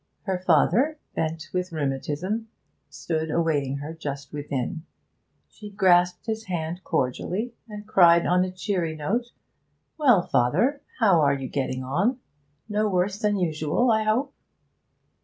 Her father, bent with rheumatism, stood awaiting her just within. She grasped his hand cordially, and cried on a cheery note, 'Well, father, how are you getting on? No worse than usual, I hope?'